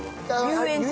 遊園地。